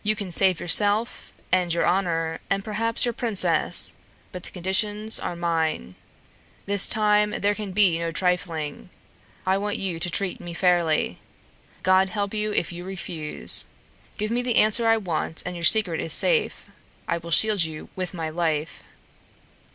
You can save yourself and your honor, and perhaps your princess, but the conditions are mine. This time there can be no trifling. I want you to treat me fairly. God help you if you refuse. Give me the answer I want and your secret is safe, I will shield you with my life.